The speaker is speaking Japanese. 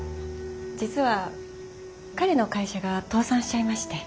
実は彼の会社が倒産しちゃいまして。